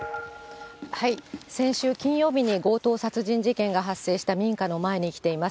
先週金曜日に強盗殺人事件が発生した民家の前に来ています。